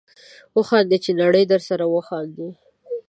وخانده چې نړۍ درسره وخاندي